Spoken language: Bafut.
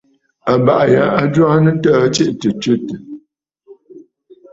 Àbàʼà ya a jwaanə ntəə tsiʼì tɨ̀ stsetə̀.